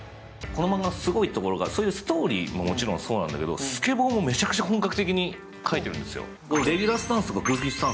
このマンガのすごいところは、ストーリーもそうなんだけどスケボーもめちゃくちゃ本格的に描いてるんですよ。